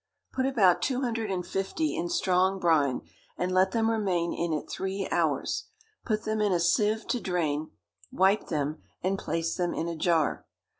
Put about two hundred and fifty in strong brine, and let them remain in it three hours. Put them in a sieve to drain, wipe them, and place them in a jar.